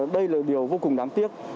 đây là điều vô cùng đáng tiếc